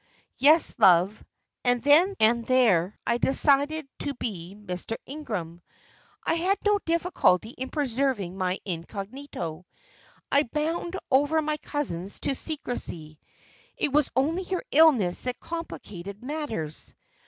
"Yes, love, and then and there I decided to be Mr. Ingram. I had no difficulty in preserving my incognito. I bound over my cousins to secrecy. It was only your illness that complicated matters.